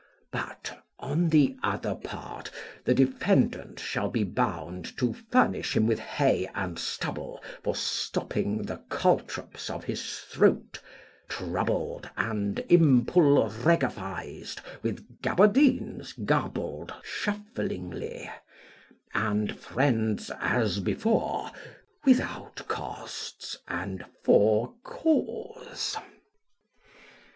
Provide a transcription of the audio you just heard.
But, on the other part, the defendant shall be bound to furnish him with hay and stubble for stopping the caltrops of his throat, troubled and impulregafized, with gabardines garbled shufflingly, and friends as before, without costs and for cause.